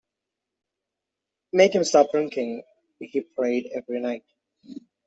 “Make him stop drinking,” he prayed every night.